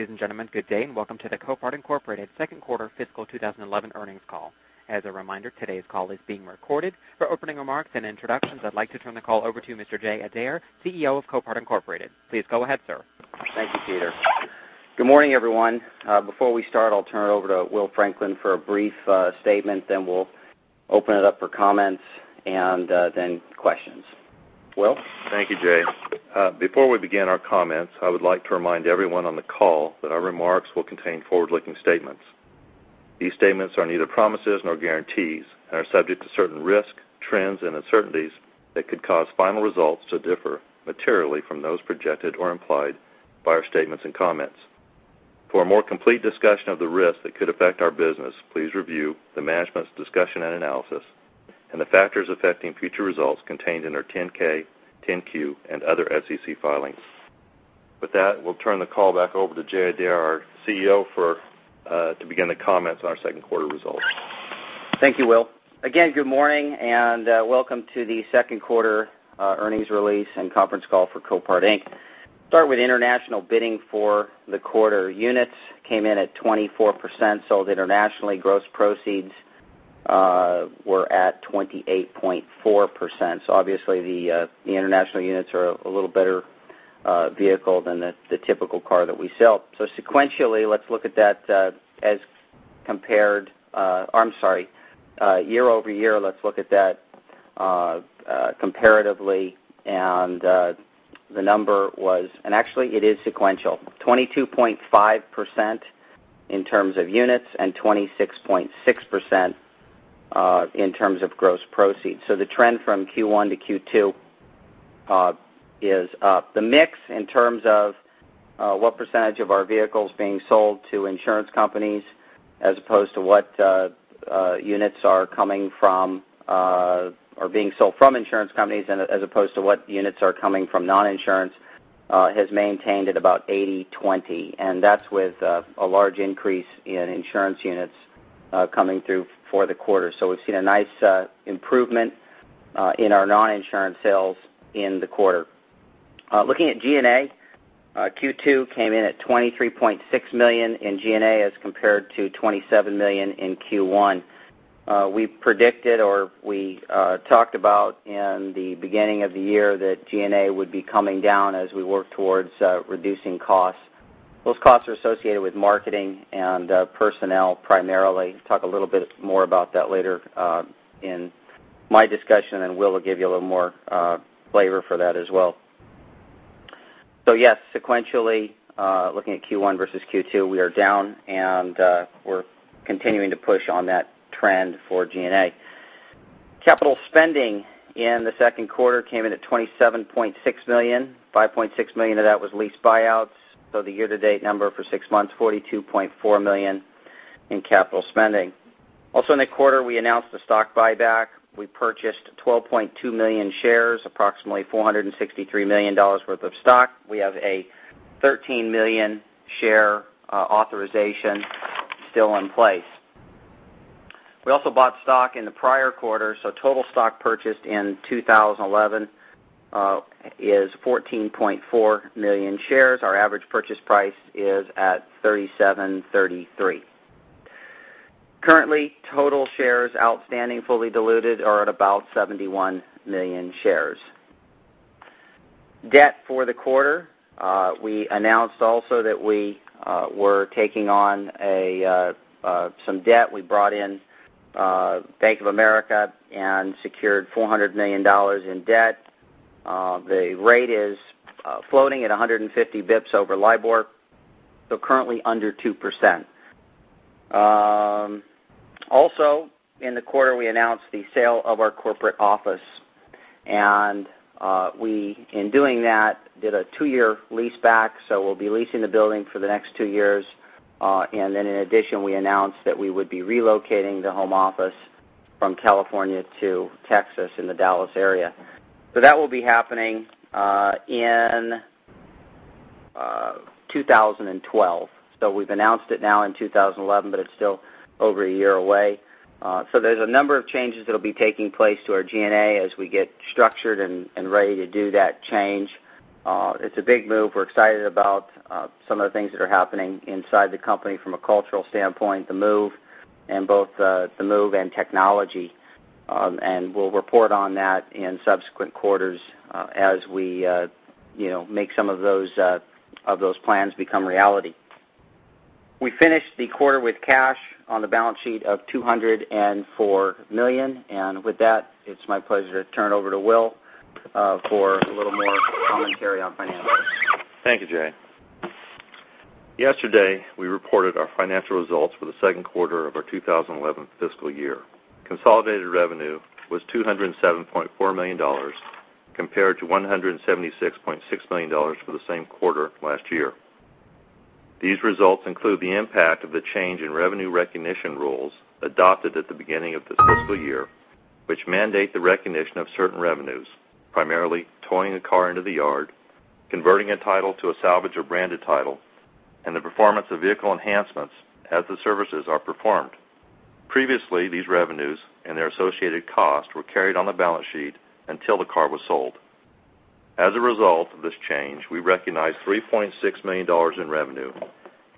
And gentlemen, good day, and welcome to the Copart Incorporated Second Quarter Fiscal twenty eleven Earnings Call. As a reminder, today's call is being recorded. For opening remarks and introductions, I'd like to turn the call over to Mr. Jay Adair, CEO of Copart Incorporated. Please go ahead, sir. Thank you, Peter. Good morning, everyone. Before we start, I'll turn it over to Will Franklin for a brief statement, then we'll open it up for comments and then questions. Will? Thank you, Jay. Before we begin our comments, I would like to remind everyone on the call that our remarks will contain forward looking statements. These statements are neither promises nor guarantees and are subject to certain risks, trends and uncertainties that could cause final results to differ materially from those projected or implied by our statements and comments. For a more complete discussion of the risks that could affect our business, please review the management's discussion and analysis and the factors affecting future results contained in our 10 ks, 10 Q and other SEC filings. With that, we'll turn the call back over to Jay Adair, our CEO for to begin the comments on our Q2 results. Thank you, Will. Again, good morning and welcome to the Q2 earnings release and conference call for Copart Inc. Start with international bidding for the quarter. Units came in at 24%, sold internationally. Gross proceeds were at 28.4%. So obviously the international units are a little better vehicle than the typical car that we sell. So sequentially, let's look at that as compared I'm sorry, year over year, let's look at that comparatively. And the number was and actually it is sequential, 22.5% in terms of units and 26.6 percent in terms of gross proceeds. So the trend from Q1 to Q2 is up. The mix in terms of what percentage of our vehicles being sold to insurance companies as opposed to what units are coming from, are being sold from insurance companies and as opposed to what units are coming from non insurance, has maintained at about eightytwenty and that's with a large increase in insurance units coming through for the quarter. So we've seen a nice improvement in our non insurance sales in the quarter. Looking at G and A, Q2 came in at $23,600,000 in G and A as compared to $27,000,000 in Q1. We predicted or we talked about in the beginning of the year that G and A would be coming down as we work towards reducing costs. Those costs are associated with marketing and personnel primarily. I'll talk a little bit more about that later in my discussion and Will will give you a little more flavor for that as well. So yes, sequentially, looking at Q1 versus Q2, we are down and we're continuing to push on that trend for G and A. Capital spending in the Q2 came in at $27,600,000 $5,600,000 of that was lease buyouts. So the year to date number for 6 months, dollars 42,400,000 in capital spending. Also in the quarter, we announced a stock buyback. We purchased 12,200,000 shares, approximately $463,000,000 worth of stock. We have a 13,000,000 share authorization still in place. We also bought stock in the prior quarter, so total stock purchased in 2011 is 14.4 1,000,000 shares. Our average purchase price is at $37.33 Currently, total shares outstanding fully diluted are outstanding fully diluted are at about 71,000,000 shares. Debt for the quarter, we announced also that we were taking on some debt. We brought in Bank of America and secured $400,000,000 in debt. The rate is floating at 150 bps over LIBOR, so currently under 2%. Also in the quarter, we announced the sale of our corporate office and we in doing that did a 2 year leaseback, so we'll be leasing the building for the next 2 years. And then in addition, we announced that we would be relocating the home office from California to Texas in the Dallas area. So that will be happening in 2012. So we've announced it now in 2011, but it's still over a year away. So there's a number of changes that will be taking place to our G and A as we get structured and ready to do that change. It's a big move. We're excited about some of the things that are happening inside the company from a cultural standpoint, the move and both the move and technology. And we'll report on that in subsequent quarters as we make some of those plans become reality. We finished the quarter with cash on the balance sheet of $204,000,000 And with that, it's my pleasure to turn over to Will for a little more commentary on financials. Thank you, Jay. Yesterday, we reported our financial results for the Q2 of our 2011 fiscal year. Consolidated revenue was $207,400,000 compared to $176,600,000 for the same quarter last year. These results include the impact of the change in revenue recognition rules adopted at the beginning of the fiscal year, which mandate the recognition of certain revenues, primarily towing the car into the yard, converting a title to a salvage or branded title and the performance of vehicle enhancements as the services are performed. Previously, these revenues and their associated costs were carried on the balance sheet until the car was sold. As a result of this change, we recognized $3,600,000 in revenue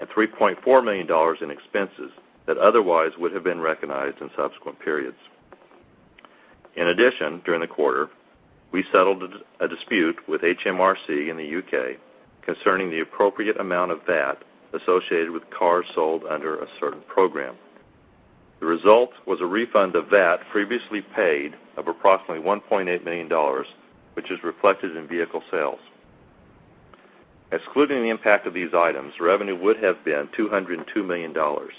and $3,400,000 in expenses that otherwise would have been recognized in subsequent periods. In addition, during the quarter, we settled a dispute with HMRC in the U. K. Concerning the appropriate amount of VAT associated with cars sold under a certain program. The result was a refund of VAT previously paid of approximately $1,800,000 which is reflected in vehicle sales. Excluding the impact of these items, revenue would have been $202,000,000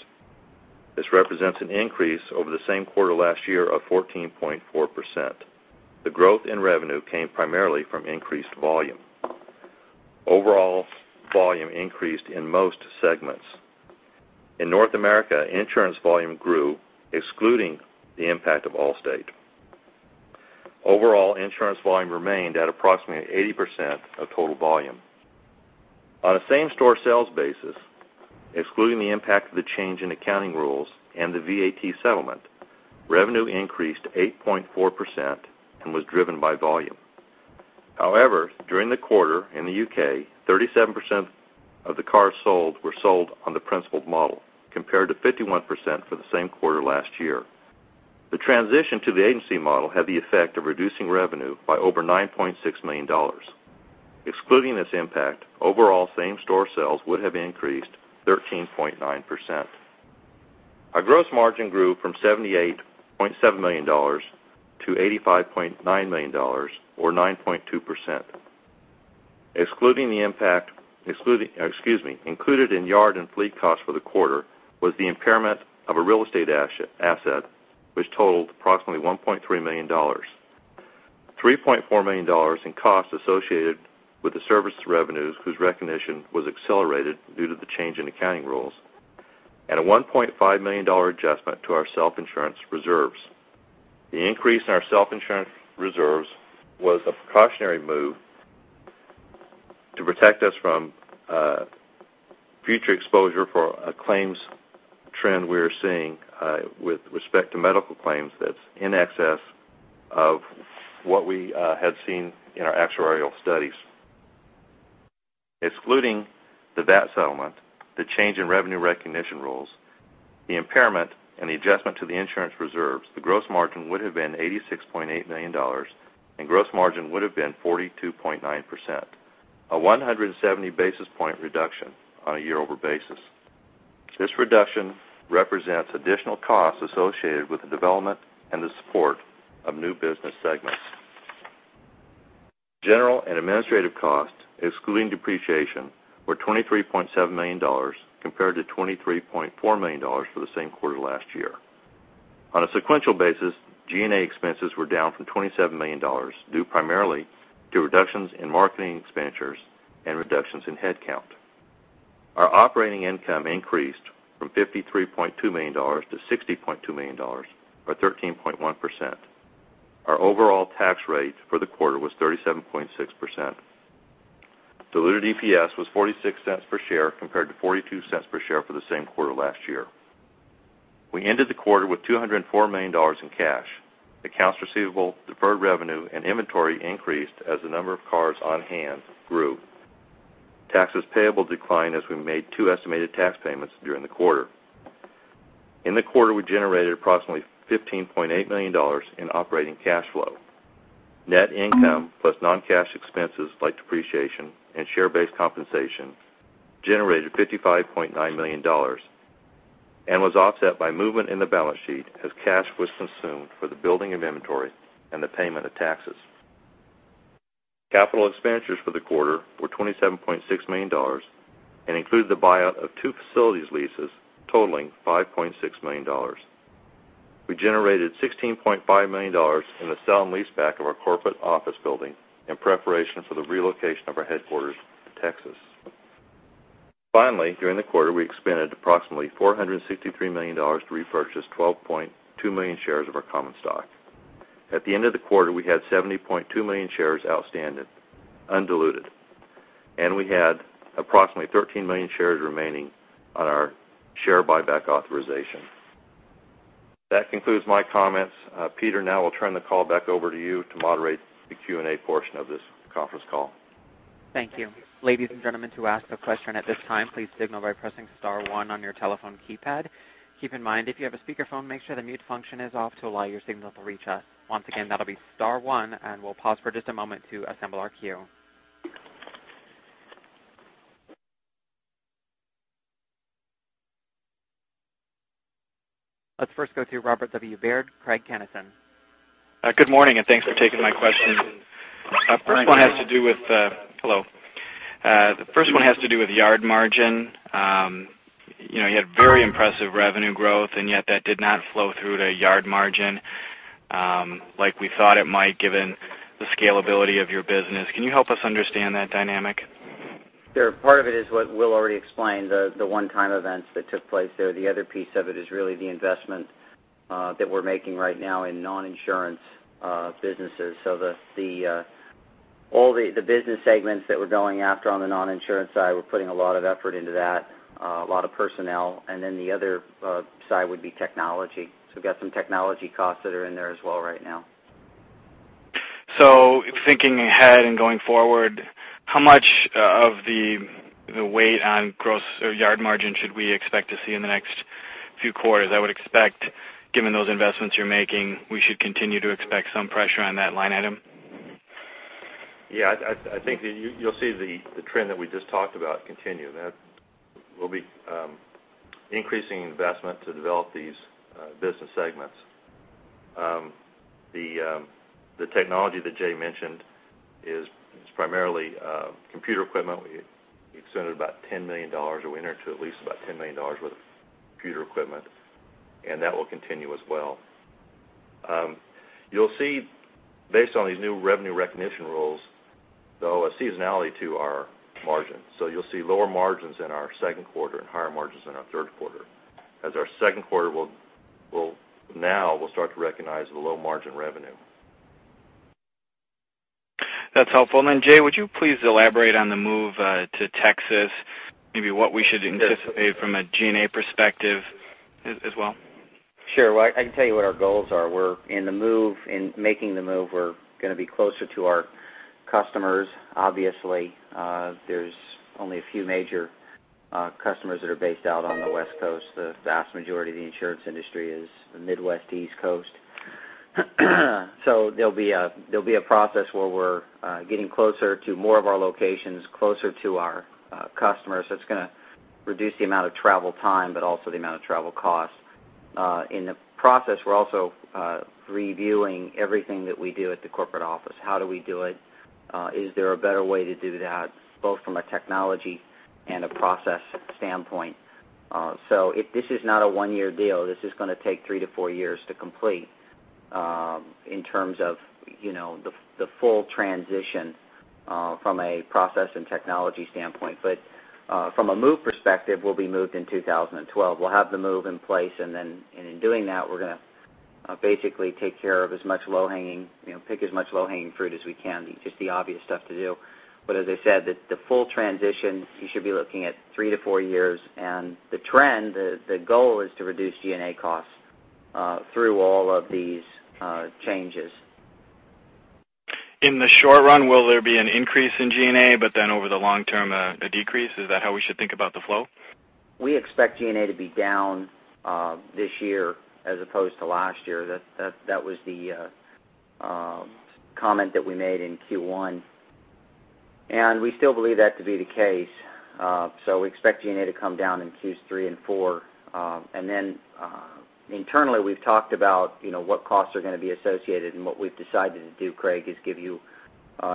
This represents an increase over same quarter last year of 14.4%. The growth in revenue came primarily from increased volume. Overall volume increased in most segments. In North America, insurance volume grew excluding the impact of Allstate. Overall, insurance volume remained at approximately 80% of total volume. On a same store sales basis, excluding the impact of the change in accounting rules and the VAT settlement, revenue increased 8.4% and was driven by volume. However, during the quarter in the UK, 37% of the cars sold were sold on the principal model compared to 51% for the same quarter last year. The transition to the agency model had the effect of reducing revenue by over $9,600,000 Excluding this impact, overall same store sales would have increased 13.9%. Our gross margin grew from 78 $700,000 to $85,900,000 or 9.2%. Excluding the impact excluding excuse me, included in yard and fleet costs for the quarter was the impairment of a real estate asset, which totaled approximately $1,300,000 $3,400,000 in costs associated with the service revenues whose recognition was accelerated due to the change in accounting rules and a $1,500,000 adjustment to our self insurance reserves. The increase in our self insurance reserves was a precautionary move to protect us from future exposure for a claims trend we are seeing with respect to medical claims that's in excess of what we had seen in our actuarial studies. Excluding the VAT settlement, the change in revenue recognition rules, the impairment and the adjustment to the insurance reserves, the gross margin would have been $86,800,000 and gross margin would have been 42.9%, a 170 basis point reduction on a year over basis. This reduction represents additional costs associated with the development and the support of new business segments. General and administrative costs, excluding depreciation, were $23,700,000 compared to $23,400,000 for the same quarter last year. On a sequential basis, G and A expenses were down from $27,000,000 due primarily to reductions in marketing expenditures and reductions in headcount. Our operating income increased from $53,200,000 to $60,200,000 or 13.1 percent. Our overall tax rate for the quarter was 37.6%. Diluted EPS was $0.46 per share compared to $0.42 per share for the same quarter last year. Ended the quarter with $204,000,000 in cash. Accounts receivable, deferred revenue and inventory increased as the number of cars on hand grew. Taxes payable declined as we made 2 estimated tax payments during the quarter. In the quarter, we generated approximately $15,800,000 in operating cash flow. Net income plus non cash expenses like depreciation and share based compensation generated $55,900,000 and was offset by movement in the balance sheet as cash was consumed for the building of inventory and the payment of taxes. Capital expenditures for the quarter were $27,600,000 and included the buyout of 2 facilities leases totaling $5,600,000 We generated $16,500,000 in the sale and leaseback of our corporate office building in preparation for the relocation of our headquarters in Texas. Finally, during the quarter, we expanded approximately $463,000,000 to repurchase 12 point 2,000,000 shares of our common stock. At the end of the quarter, we had 70,200,000 shares outstanding undiluted and we had approximately 13,000,000 shares remaining on our share buyback authorization. That concludes my comments. Peter, now I'll turn the call back over to you to moderate the Q and A portion of this conference call. Thank you. Let's first go to Robert W. Baird, Craig Kennison. Good morning and thanks for taking my question. First one has to do with the hello. The first one has to do with yard margin. You had very impressive revenue growth and yet that did not flow through to yard margin, like we thought it might given the scalability of your business. Can you help us understand that dynamic? Sure. Part of it is what Will already explained, the one time events that took place there. The other piece of it is really the investment, that we're making right now in non insurance businesses. So the all the business segments that we're going after on the non insurance side, we're putting a lot of effort into that, a lot of personnel. And then the other side would be technology. So we've got some technology costs that are in there as well right now. So thinking ahead and going forward, how much of the weight on gross yard margin should we expect to see in the next few quarters? I would expect given those investments you're making, we should continue to expect some pressure on that line item? Yes. I think you'll see the trend that we just talked about continue that we'll be increasing investment to develop these business segments. The technology that Jay mentioned is primarily computer equipment. We extended about $10,000,000 or we entered to at least about $10,000,000 worth of computer equipment and that will continue as well. You'll see based on these new revenue recognition rules though a seasonality to our margin. So you'll see lower margins in our second quarter and higher margins in our Q3 as our Q2 will now we'll start to recognize the low margin revenue. That's helpful. And then Jay, would you please elaborate on the move to Texas, maybe what we should anticipate from a G and A perspective as well? Sure. Well, I can tell you what our goals are. We're in the move in making the move. We're going to be closer to our customers, obviously. There's only a few major customers that are based out on the West Coast. The vast majority of the insurance industry is the Midwest East Coast. So there'll be a process where we're getting closer to more of our locations, closer to our customers. It's going to reduce the amount of travel time, but also the amount of travel cost. In the process, we're also reviewing everything that we do at the corporate office. How do we do it? Is there a better way to do that, both from a technology and a process standpoint. So this is not a 1 year deal, this is going to take 3 to 4 years to complete in terms of the full transition, from a process and technology standpoint. But, from a move perspective, we'll be moved in 2012. We'll have the move place and then in doing that, we're going to basically take care of as much low hanging pick as much low hanging fruit as we can, just the obvious stuff to do. But as I said, the full transition, you should be looking at 3 to 4 years. And the trend, the goal is to reduce G and A costs through all of these changes. In the short run, will there be an increase in G and A, but then over the long term a decrease? Is that how we should think about the flow? We expect G and A to be down, this year as opposed to last year. That was the comment that we made in Q1. And we still believe that to be the case. So we expect G and A to come down in Q3 and Q4. And then internally, we've talked about what costs are going to be associated and what we've decided to do, Craig, is give you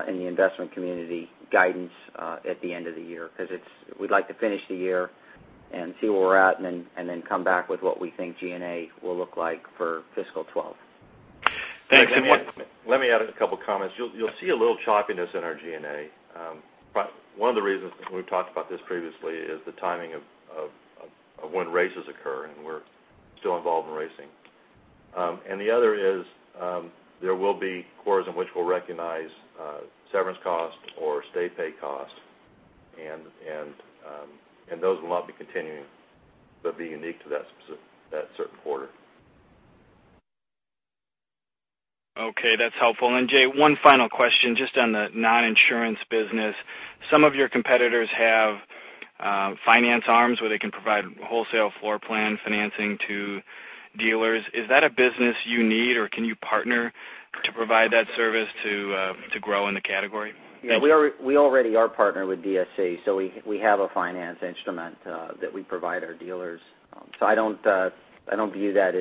in the investment community guidance at the end of the year because it's we'd like to finish the year and see where we're at and then come back with what we think G and A will look like for fiscal 2012. Thanks, Amit. Let me add a couple of comments. You'll see a little choppiness in our G and A. But one of the reasons we've talked about this previously is the timing of when races occur and we're still involved in racing. And the other is, there will be quarters in which we'll recognize severance cost or state pay cost and those will not be continuing, but be unique to that certain quarter. Okay, that's helpful. And Jay, one final question just on the non insurance business. Some of your competitors have finance arms where they can provide wholesale floor plan financing to dealers. Is that a business you need or can you partner to provide that service to grow in the category? Yes. We already are partnered with DSC. So we have a finance instrument that we provide our dealers. So I don't view that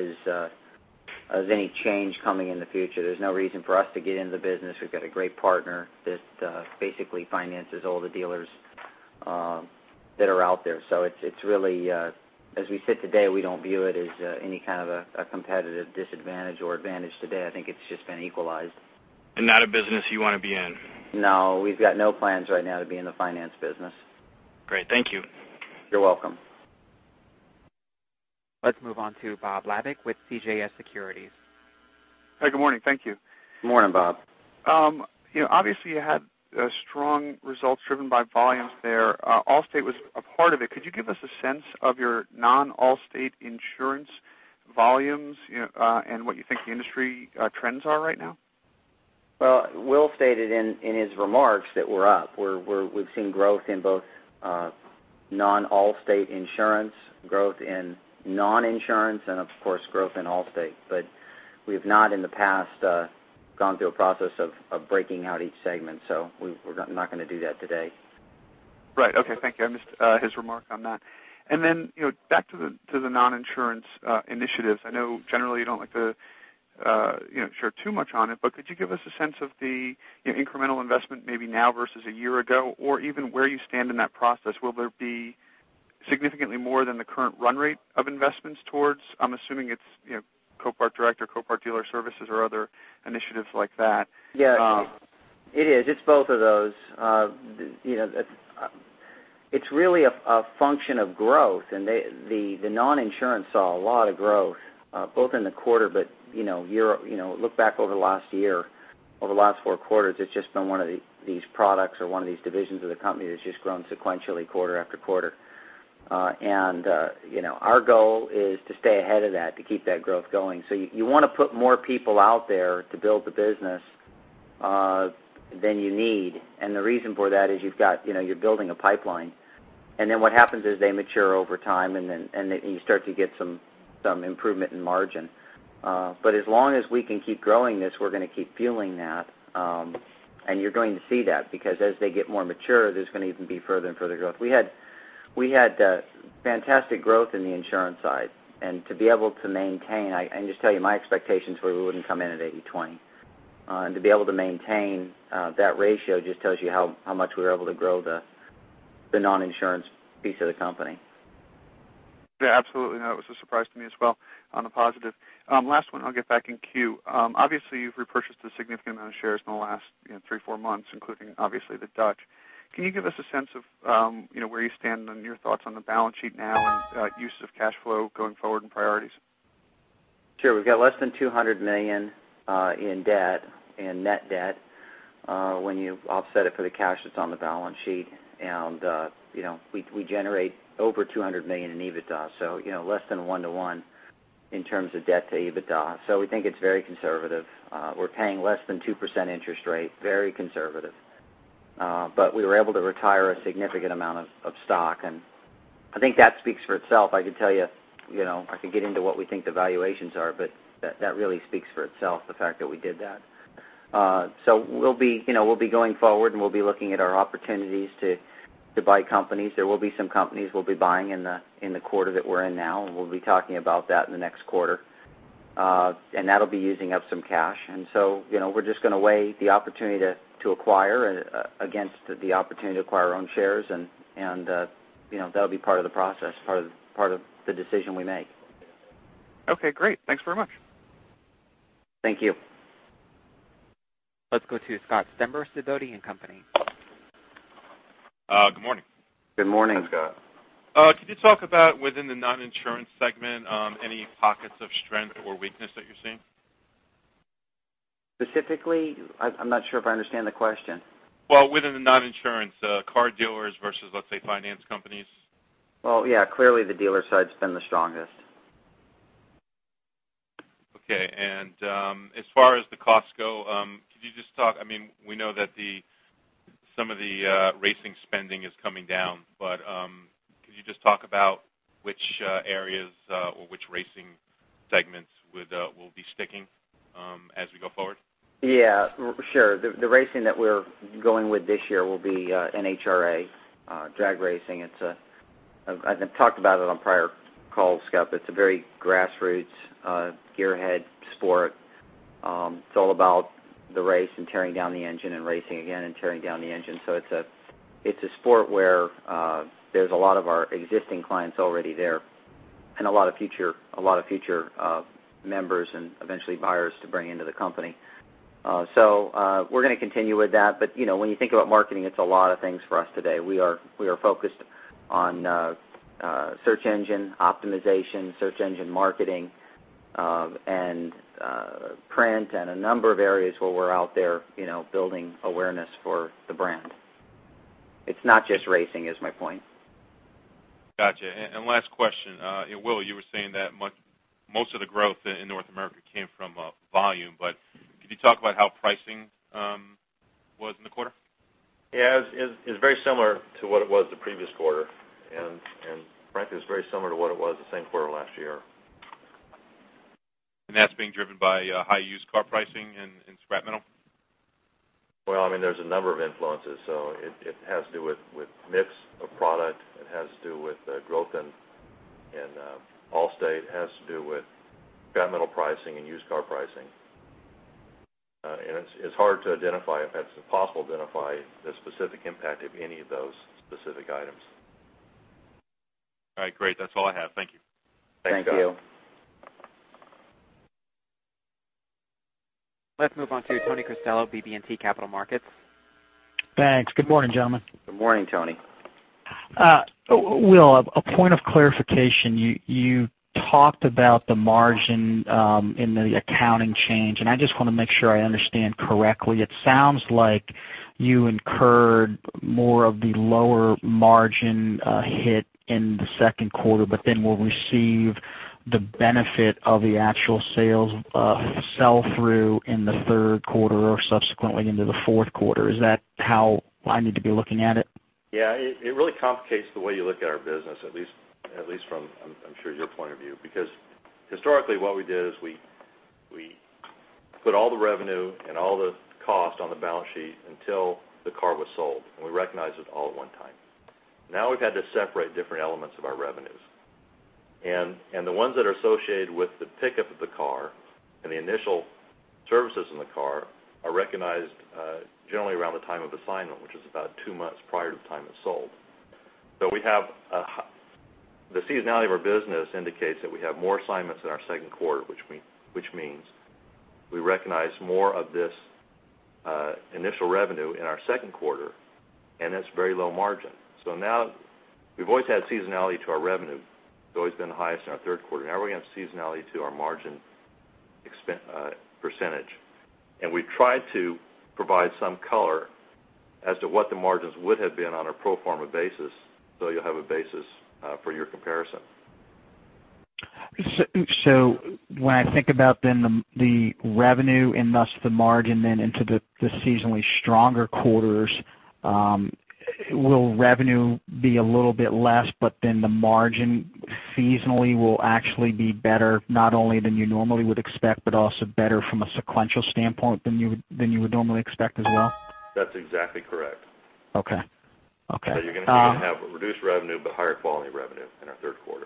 as any change coming in the future. There's no reason for us to get into the business. We've got a great partner that basically finances all the dealers that are out there. So it's really as we sit today, we don't view it as any kind of a competitive disadvantage or advantage today. I think it's just been equalized. And not a business you want to be in? No. We've got no plans right now to be in the finance business. Great. Thank you. You're welcome. Let's move on to Bob Labick with CJS Securities. Hi, good morning. Thank you. Good morning, Bob. Obviously, you had strong results driven by volumes there. Allstate was a part of it. Could you give us a sense of your non Allstate insurance volumes and what you think the industry trends are right now? Well, Will stated in his remarks that we're up. We've seen growth in both non Allstate Insurance, growth in non insurance and of course growth in Allstate. But we have not in the past gone through a process of breaking out each segment. So we're not going to do that today. Right. Okay. Thank you. I missed his remark on that. And then back to the non insurance initiatives. I know generally you don't like to share too much on it, but could you give us a sense of the incremental investment maybe now versus a year ago or even where you stand in that process? Will there be significantly more than the current run rate of investments towards? I'm assuming it's Copart Director, Copart Dealer Services or other initiatives like that. Yes, it is. It's both of those. It's really a function of growth and the non insurance saw a lot of growth, both in the quarter, but look back over the last year, over the last 4 quarters, it's just been one of these products or one of these divisions of the company that's just grown sequentially quarter after quarter. And our goal is to stay ahead of that, to keep that growth going. So you want to put more people out there to build the business than you need. And the reason for that is you've got you're building a pipeline. And then what happens is they mature over time and then you start to get some improvement in margin. But as long as we can keep growing this, we're going to keep fueling that. And you're going to see that because as they get more mature, there's going to even be further and further growth. We had fantastic growth in the insurance side and to be able to maintain and just tell you my expectations where we wouldn't come in at eightytwenty. And to be able to maintain that ratio just tells you how much we were able to grow the non insurance piece of the company. Yes, absolutely. And that was a surprise to me as well on the positive. Last one, I'll get back in queue. Obviously, you've repurchased a significant amount of shares in the last 3, 4 months, including obviously the Dutch. Can you give us a sense of where you stand and your thoughts on the balance sheet now and use of cash flow going forward and priorities? Sure. We've got less than $200,000,000 in debt, in net debt, when you offset it for the cash that's on the balance sheet and we generate over $200,000,000 in EBITDA, so less than 1 to 1 in terms of debt to EBITDA. So we think it's very conservative. We're paying less than 2% interest rate, very conservative. But we were able to retire a significant amount of stock and I think that speaks for itself. I could tell you, I can get into what we think the valuations are, but that really speaks for itself, the fact that we did that. So we'll be going forward and we'll be looking at our opportunities to buy companies. There will be some companies we'll be buying in the quarter that we're in now and we'll be talking about that in the next quarter. And that'll be using up some cash. And so we're just going to weigh the opportunity to acquire against the opportunity to acquire our own shares and that'll be part of the process, part of the decision we make. Okay, great. Thanks very much. Thank you. Let's go to Scott Stember, Sidoti and Company. Good morning. Good morning, Scott. Could you talk about within the non insurance segment, any pockets of strength or weakness that you're seeing? Specifically, I'm not sure if I understand the question. Well, within the non insurance, car dealers versus, let's say, finance companies? Well, yes, clearly, the dealer side has been the strongest. Okay. And as far as the costs go, could you just talk I mean, we know that the some of the racing spending is coming down, but could you just talk about which areas or which racing segments will be sticking as we go forward? Yes, sure. The racing that we're going with this year will be NHRA, drag racing. It's a I've talked about it on prior calls, Scott, but it's a very grassroots gearhead sport. It's all about the race and tearing down the engine and racing again and tearing down the engine. So it's a sport where there's a lot of our existing clients already there and a lot of future members and eventually buyers to bring into the company. So we're going to continue with that, but when you think about marketing it's a lot of things for us today. We are focused on search engine optimization, search engine marketing and print and a number of areas where we're out there building awareness for the brand. It's not just racing is my point. Got you. And last question, Will, you were saying that most of the growth in North America came from volume, but could you talk about how pricing was in the quarter? Yes, it's very similar to what it was the previous quarter and frankly it's very similar to what it was the same quarter last year. And that's being driven by high used car pricing in scrap metal? Metal? Well, I mean there's a number of influences. So it has to do with mix of product, it has to do with growth in Allstate, it has to do with Continental pricing and used car pricing. And it's hard to identify if it's possible to identify the specific impact of any of those specific items. All right. Great. That's all I have. Thank you. Thank you. Let's move on to Tony Cristello, BB and T Capital Markets. Thanks. Good morning, gentlemen. Good morning, Tony. Will, a point of clarification. You talked about the margin in the accounting change, and I just want to make sure I understand correctly. It sounds like you incurred more of the lower margin hit in the second quarter, but then will receive the benefit of the actual sales sell through in the Q3 or subsequently into the Q4. Is that how I need to be looking at it? Yes. It really complicates the way you look at our business at least from I'm sure your point of view because historically what we did is we put all the revenue and all the cost on the balance sheet until the car was sold and we recognized it all at one time. Now we've had to separate different elements of our revenues and the ones that are associated with the pickup of the car and the initial services in the car are recognized generally around the time of assignment, which is about 2 months prior to the time it's sold. So we have the seasonality of our business indicates that we have more assignments in our Q2, which means we recognize more of this initial revenue in our Q2 and it's very low margin. So now we've always had seasonality to our revenue. It's always been the highest in our Q3. Now we're going to have seasonality to our margin percentage. And we try to provide some color as to what the margins would have been on a pro form a basis, so you'll have a basis for your comparison. So when I think about then the revenue and thus the margin then into the seasonally stronger quarters, will revenue be a little bit less, but then the margin seasonally will actually be better not only than you normally would expect, but also better from a sequential standpoint than you would normally expect as well? That's exactly correct. Okay. So you're going to have reduced revenue, but higher quality revenue in our Q3.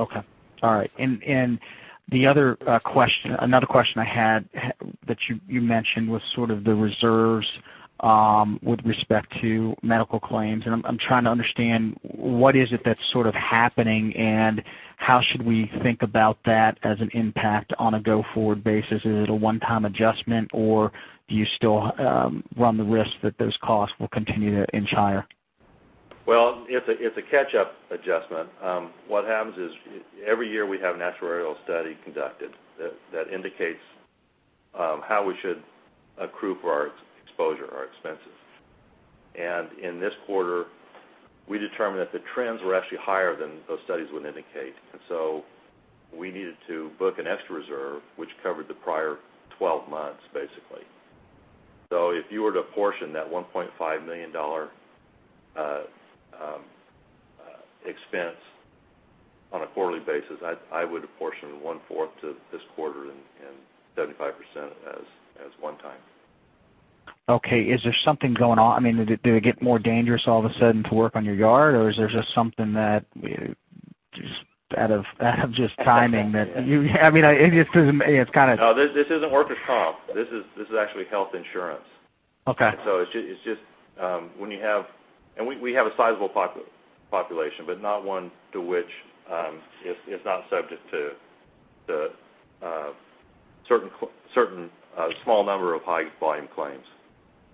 Okay. All right. And the other question another question I had that you mentioned was sort of the reserves with respect to medical claims. And I'm trying to understand what is it that's sort of happening and how should we think about that as an impact on a go forward basis? Is it a one time adjustment or do you still run the risk that those costs will continue to inch higher? Well, it's a catch up adjustment. What happens is every year we have natural oil study conducted that indicates how we should accrue for our exposure or expenses. And in this quarter we determined that the trends were actually higher than those studies would indicate and so we needed to book an extra reserve which covered the prior 12 months basically. So if you were to portion that $1,500,000 expense on a quarterly basis, I would apportion 1 fourth to this quarter and 75% as one time. Okay. Is there something going on? I mean, did it get more dangerous all of a sudden to work on your yard? Or is there just something that just out of just timing that you I mean, it's kind of No, this isn't workers' comp. This is actually health insurance. Okay. So it's just, when you have and we have a sizable population, but not one to which is not subject to certain small number of high volume claims.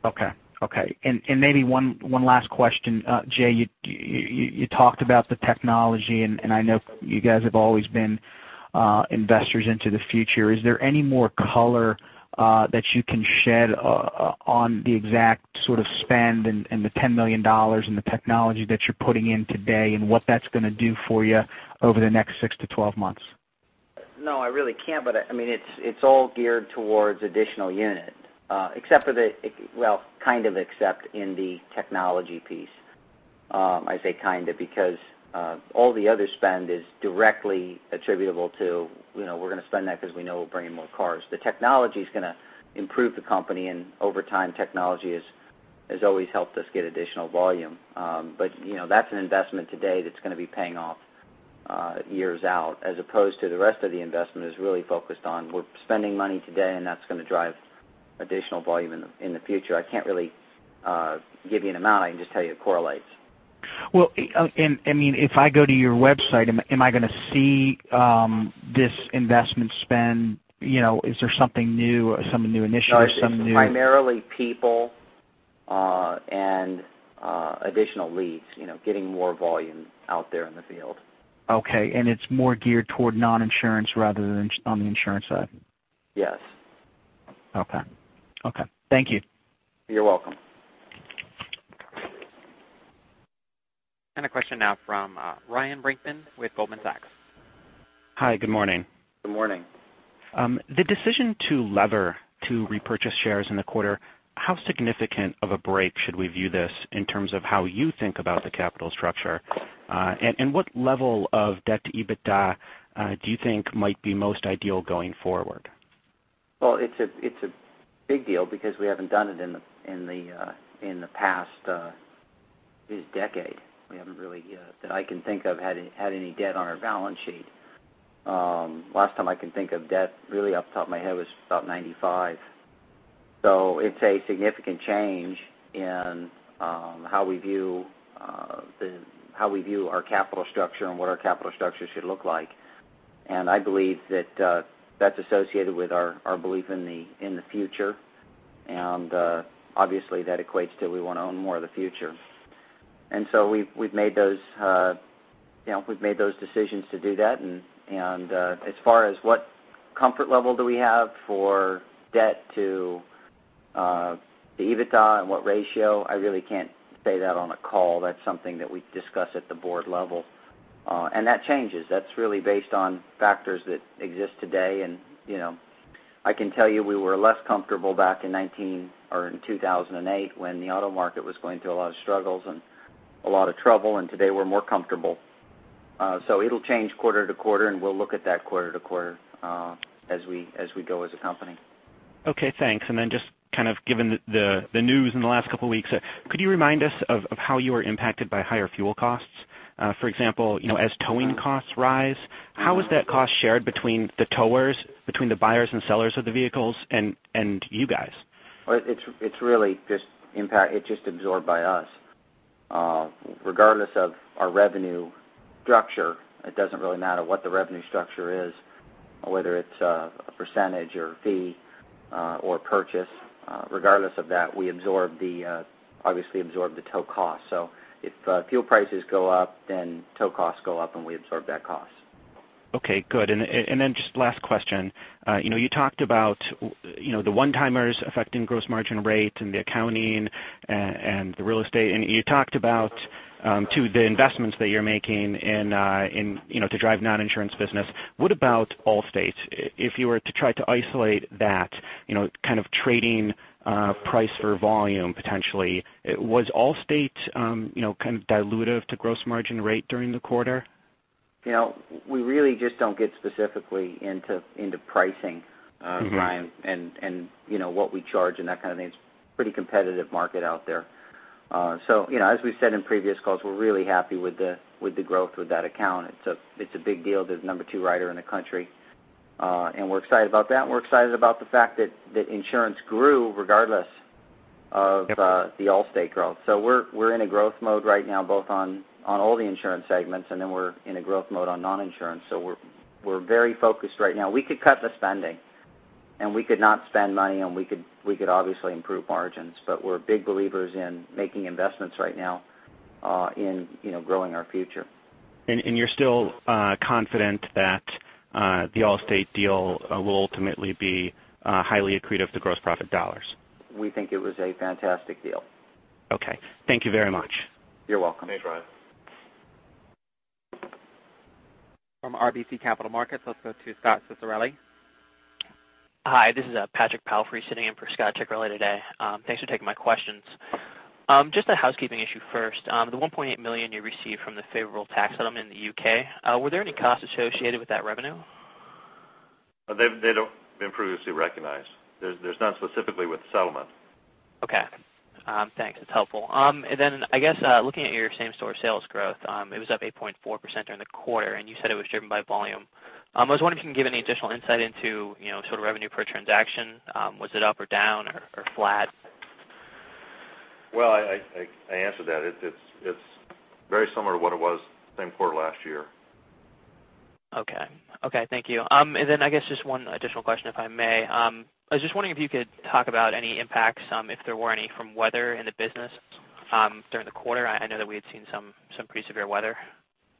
Okay. Okay. And maybe one last question. Jay, you talked about the technology and I know you guys have always been investors into the future. Is there any more color that you can shed on the exact sort of spend and the $10,000,000 in the technology that you're putting in today and what that's going to do for you over the next 6 to 12 months? No, I really can't. But I mean, it's all geared towards additional unit, except for the well, kind of except in the technology piece. I say kind of because all the other spend is directly attributable to we're going to spend that because we know we'll bring in more cars. The technology is going to improve the company and over time technology has always helped us get additional volume. But that's an investment today that's going to be paying off years out as opposed to the rest of the investment is really focused on we're spending money today and that's going to drive additional volume in the future. I can't really give you an amount. I can just tell you it correlates. Well, I mean, if I go to your website, am I going to see this investment spend? Is there something new, some new initiatives, some new Primarily people and additional leads, getting more volume out there in the field. Okay. And it's more geared toward non insurance rather than on the insurance side? Yes. Okay. Okay. Thank you. You're welcome. And a question now from Ryan Brinkman with Goldman Sachs. Hi, good morning. Good morning. The decision to lever to repurchase shares in the quarter, how significant of a break should we view this in terms of how you think about the capital structure? And what level of debt to EBITDA do you think might be most ideal going forward? Well, it's a big deal because we haven't done it in the past decade. We haven't really that I can think of had any debt on our balance sheet. Last time I can think of debt really off the top of my head was about 95. So it's a significant change in how we view our capital structure and what our capital structure should look like. And I believe that, that's associated with our belief in the future. And obviously that equates to we want to own more of the future. And so we've made those decisions to do that. And as far as what comfort level do we have for debt to EBITDA and what ratio, I really can't say that on a call. That's something that we discuss at the Board level. And that changes. That's really based on factors that exist today and I can tell you we were less comfortable back in 2019 or in 2,008 when the auto market was going through a lot of struggles and a lot of trouble and today we're more comfortable. So it will change quarter to quarter and we'll look at that quarter to quarter as we go as a company. Okay, thanks. And then just kind of given the news in the last couple of weeks, could you remind us of how you are impacted by higher fuel costs? For example, as towing costs rise, how is that cost shared between the towers, between the buyers and sellers of the vehicles and you guys? It's really just impact it's just absorbed by us. Regardless of our revenue structure, it doesn't really matter what the revenue structure is, whether it's a percentage or fee or purchase, regardless of that, we absorb the obviously absorb the tow cost. So if fuel prices go up, then tow costs go up and we absorb that cost. Okay, good. And then just last question. You talked about the one timers affecting gross margin rate and the accounting and the real estate. And you talked about, to the investments that you're making in to drive non insurance business. What about Allstate? If you were to try to isolate that kind of trading price or volume potentially, was Allstate kind of dilutive to gross margin rate during the quarter? We really just don't get specifically into pricing, Brian, and what we charge and that kind of thing. It's pretty competitive market out there. So as we said in previous calls, we're really happy with the growth with that account. It's a big deal. There's number 2 rider in the country. And we're excited about that. And we're excited about the fact that insurance grew regardless of the Allstate growth. So we're in a growth mode right now both on all the insurance segments and then we're in a growth mode on non insurance. So we're very focused right now. We could cut the spending and we could not spend money and we could obviously improve margins, but we're big believers in making investments right now, in growing our future. And you're still confident that the Allstate deal will ultimately be highly accretive to gross profit dollars? We think it was a fantastic deal. Okay. Thank you very much. You're welcome. Thanks, Ryan. From RBC Capital Markets, let's go to Scot Ciccarelli. Hi, this is Patrick Palfrey sitting in for Scot Ciccarelli today. Thanks for taking my questions. Just a housekeeping issue first. The $1,800,000 you received from the favorable tax settlement in the UK, were there any costs associated with that revenue? They don't have been previously recognized. There's none specifically with the settlement. Okay. Thanks. That's helpful. And then I guess looking at your same store sales growth, it was up 8.4% during the quarter and you said it was driven by volume. I was wondering if you can give any additional insight into sort of revenue per transaction. Was it up or down or flat? Well, I answered that. It's very similar to what it was same quarter last year. Okay. Okay. Thank you. And then I guess just one additional question if I may. I was just wondering if you could talk about any impacts, if there were any from weather in the business during the quarter? I know that we had seen some pretty severe weather.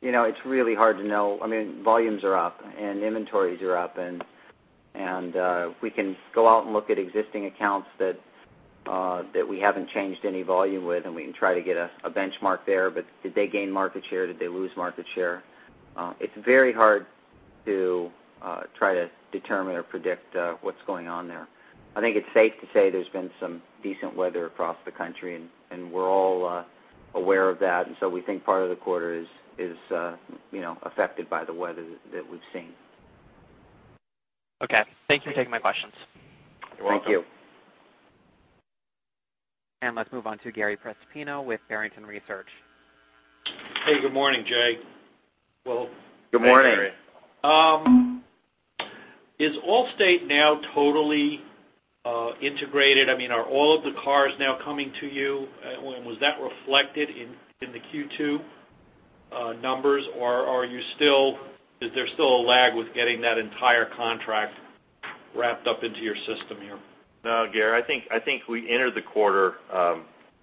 It's really hard to know. I mean volumes are up and inventories are up and we can go out and look at existing accounts that we haven't changed any volume with and we can try to get a benchmark there, but did they gain market share? Did they lose market share? It's very hard to try to determine or predict what's going on there. I think it's safe to say there's been some decent weather across the country and we're all aware of that. And so we think part of the quarter is affected by the weather that we've seen. Okay. Thank you for taking my questions. Thank you. And let's move on to Gary Prestopino with Barrington Research. Hey, good morning, Jay. Good morning. Is Allstate now totally integrated? I mean, are all of the cars now coming to you? And was that reflected in the Q2 numbers? Or are you still is there still a lag with getting that entire contract wrapped up into your system here? Gary, I think we entered the quarter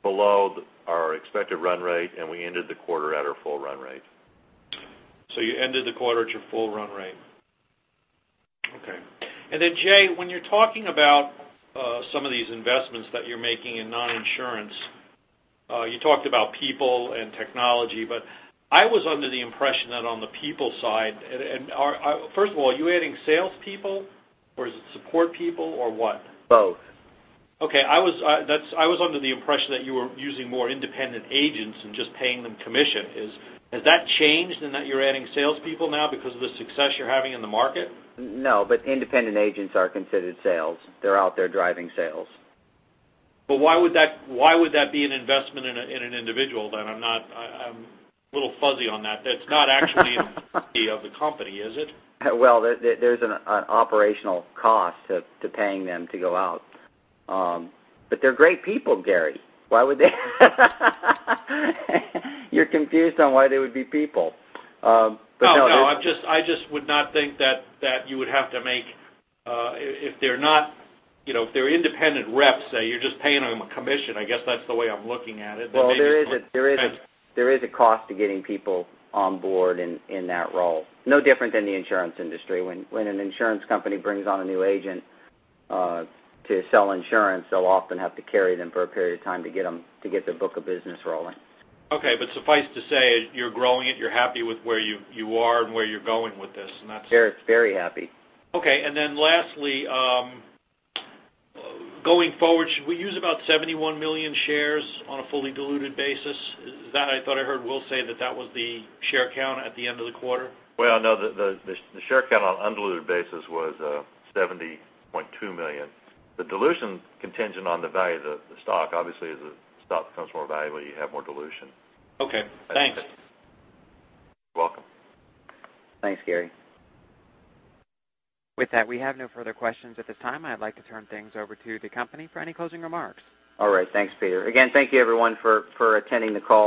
below our expected run rate and we ended the quarter at our full run rate. So you ended the quarter at your full run rate. Okay. And then Jay, when you're talking about some of these investments that you're making in non insurance, You talked about people and technology, but I was under the impression that on the people side and are first of all, are you adding salespeople or is it support people or what? Both. Okay. I was under the impression that you were using more independent agents and just paying them commission. Has that changed and that you're adding salespeople now because of the success you're having in the market? No, but independent agents are considered sales. They're out there driving sales. But why would that be an investment in an individual? I'm not I'm a little fuzzy on that. That's not actually the company, is it? Well, there's an operational cost to paying them to go out. But they're great people, Gary. Why would they you're confused on why they would be people. No, no. I just would not think that you would have to make if they're not if they're independent reps, say, you're just paying them a commission, I guess that's the way I'm looking at it. Well, there is a cost to getting people on board in that role. No different than the insurance industry. When an insurance company brings on a new agent to sell insurance, they'll often have to carry them for a period of time to get them to get the book of business rolling. Okay. But suffice to say, you're growing it, you're happy with where you are and where you're going with this. Very happy. Okay. And then lastly, going forward, should we use about 71,000,000 shares a fully diluted basis? That I thought I heard Will say that that was the share count at the end of the quarter? Well, no, the share count on an undiluted basis was 70 point $2,000,000 The dilution contingent on the value of the stock obviously as the stock comes more valuable you have more dilution. Okay. Thanks. Welcome. Thanks, Gary. With that, we have no further questions at this time. I'd like to turn things over to the company for any closing remarks. All right. Thanks, Peter. Again, thank you everyone for attending the call.